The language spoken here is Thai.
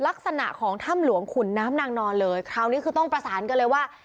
ลักษณะของถ้ำหลวงขุนน้ำนางนอนเลยคราวนี้คือต้องประสานกันเลยว่า